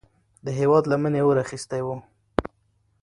د هیواد لمنې اور اخیستی و.